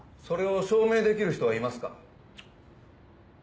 それを証明できる人はいますか？